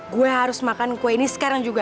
gue harus makan kue ini sekarang juga